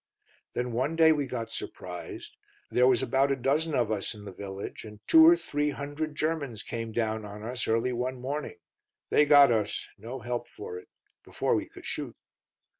"Then one day we got surprised. There was about a dozen of us in the village, and two or three hundred Germans came down on us early one morning. They got us; no help for 'it. Before we could shoot.